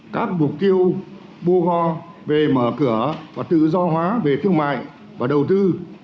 các mục tiêu bua gò về mở cửa và tự do hóa về thương mại và đầu tư